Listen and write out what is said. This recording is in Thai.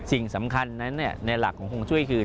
สิ่งสำคัญนั้นในหลักของฮงจุ้ยคือ